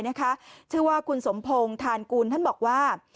นะคะเชื่อว่าสมทางคุณท่านบอกว่า